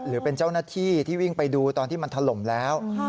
หรือเป็นเจ้าหน้าที่ที่วิ่งไปดูตอนที่มันถล่มแล้ว